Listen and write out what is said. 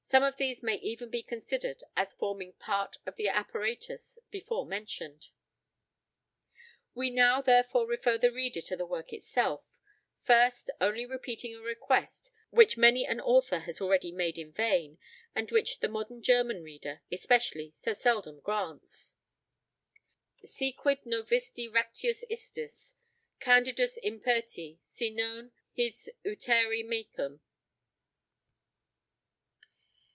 Some of these may even be considered as forming part of the apparatus before mentioned. We now therefore refer the reader to the work itself; first, only repeating a request which many an author has already made in vain, and which the modern German reader, especially, so seldom grants: Si quid novisti rectius istis Candidus imperti; si non, his utere mecum.